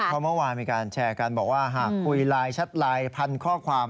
เพราะเมื่อวานมีการแชร์กันบอกว่าหากคุยไลน์แชทไลน์พันข้อความ